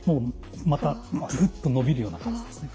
またぐっと伸びるような感じですね。